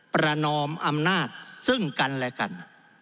ประนอมอำนาจซึ่งกันและกัน